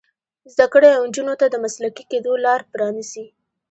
زده کړه نجونو ته د مسلکي کیدو لار پرانیزي.